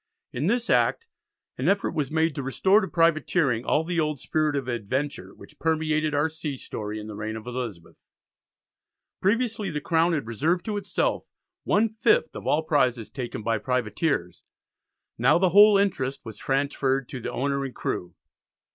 In this Act an effort was made to restore to privateering all the old spirit of adventure which permeated our sea story in the reign of Elizabeth. Previously the Crown had reserved to itself one fifth of all prizes taken by privateers; now the whole interest was transferred to the owner and crew.